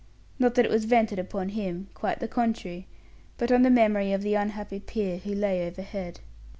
Not that it was vented upon him quite the contrary but on the memory of the unhappy peer, who lay overhead.